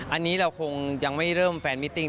อันนี้เราคงยังไม่เริ่มแฟนมิติ้ง